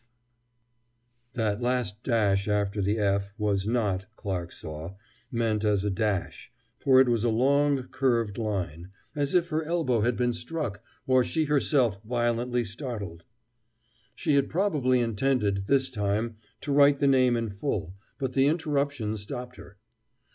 F.... That last dash after the "F." was not, Clarke saw, meant as a dash, for it was a long curved line, as if her elbow had been struck, or she herself violently startled. She had probably intended, this time, to write the name in full, but the interruption stopped her.